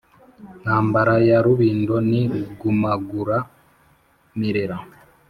Ntambara ya Rubindo ni Rugumagura-mirera